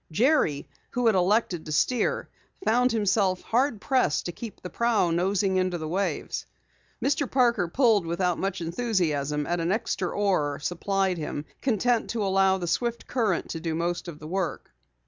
Jerry, who had elected to steer, found himself hard pressed to keep the prow nosing into the waves. Mr. Parker pulled without much enthusiasm at an extra oar supplied him, content to allow the swift current to do most of the work.